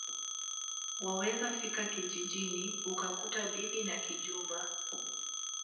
Waweza fika kijijini ukakuta bibi na kijumba